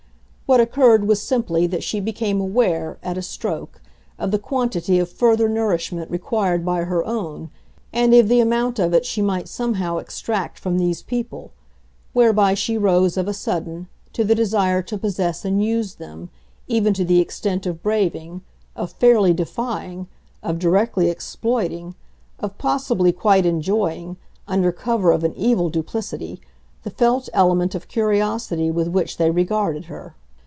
What occurred was simply that she became aware, at a stroke, of the quantity of further nourishment required by her own, and of the amount of it she might somehow extract from these people; whereby she rose, of a sudden, to the desire to possess and use them, even to the extent of braving, of fairly defying, of directly exploiting, of possibly quite enjoying, under cover of an evil duplicity, the felt element of curiosity with which they regarded her.